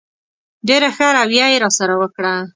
ډېره ښه رویه یې راسره وکړه.